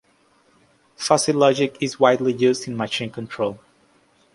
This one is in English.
Fuzzy logic is widely used in machine control.